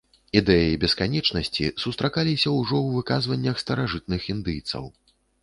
Ідэі бесканечнасці сустракаліся ўжо ў выказваннях старажытных індыйцаў.